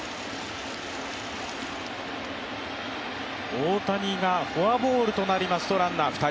大谷がフォアボールとなりますとランナー２人。